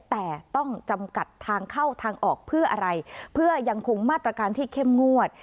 แต่ต้องจำกัดทางเข้าทางออกเพื่ออะไรเพื่อยังคงมาตรการที่เข้มงวด